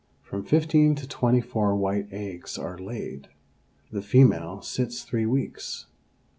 From fifteen to twenty four white eggs are laid. The female sits three weeks.